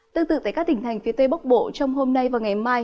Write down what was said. tương tự tại các tỉnh thành phía tây bắc bộ trong hôm nay và ngày mai